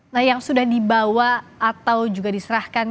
nah yang sudah dibawa atau juga diserahkan